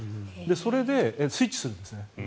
それでスイッチするんですね。